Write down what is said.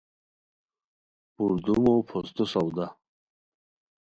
پردومو پھوستو سودا